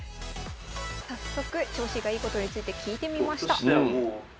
早速調子がいいことについて聞いてみました。